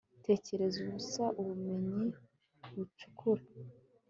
Tekereza ubusa ubumenyi bucukura